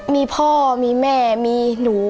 มีพ่อมีแม่มีหนู